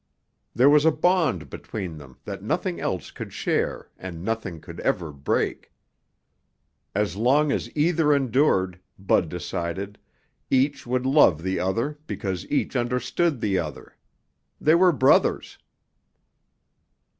There was a bond between them that nothing else could share and nothing could ever break. As long as either endured, Bud decided, each would love the other because each understood the other. They were brothers.